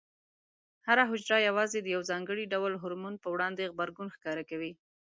هره حجره یوازې د یو ځانګړي ډول هورمون په وړاندې غبرګون ښکاره کوي.